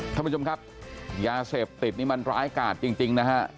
ท่านผู้ชมครับยาเสพติดนี่มันร้ายกาดจริงนะฮะ